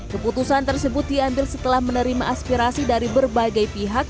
keputusan tersebut diambil setelah menerima aspirasi dari berbagai pihak